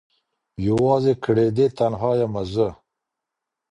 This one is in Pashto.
يوازي کړيدي تنها يمه زه